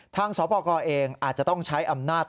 สปกรเองอาจจะต้องใช้อำนาจ